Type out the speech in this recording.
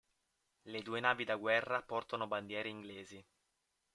Le due navi da guerra portano bandiere inglesi.